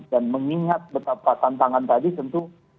dan mengingat betapa tantangan tadi tentu